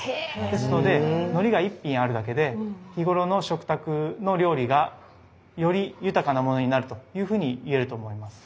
ですのでのりが１品あるだけで日頃の食卓の料理がより豊かなものになるというふうに言えると思います。